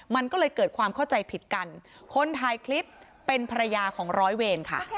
มันก็เลยเกิดความเข้าใจผิดกันคนถ่ายคลิปเป็นภรรยาของร้อยเวรค่ะ